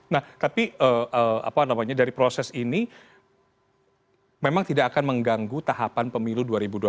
nah tapi apa namanya dari proses ini memang tidak akan mengganggu tahapan pemilu dua ribu dua puluh